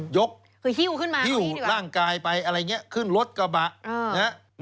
ยกฮิ่วร่างกายไปอะไรนี้ขึ้นรถกระบะนั่นเอง